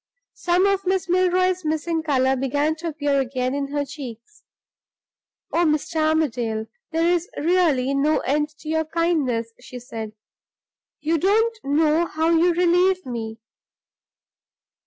Some of Miss Milroy's missing color began to appear again in her cheeks. "Oh, Mr. Armadale, there is really no end to your kindness," she said; "you don't know how you relieve me!"